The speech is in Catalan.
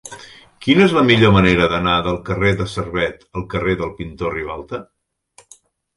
Quina és la millor manera d'anar del carrer de Servet al carrer del Pintor Ribalta?